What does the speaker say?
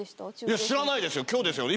いや知らないですよ今日ですよね